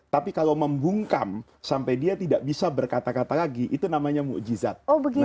tapi kalau membungkam sampai dia tidak bisa berkata kata lagi itu namanya ⁇ mujizat